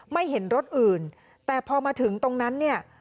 ไม่เห็นรถอื่นแต่พอมาถึงตรงนั้นเนี่ย